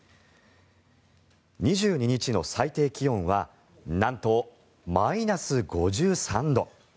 ２２日の最低気温はなんと、マイナス５３度。